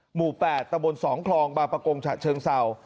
หมู่๘ตะบน๒คลองบาปกรงชะเชิงเซา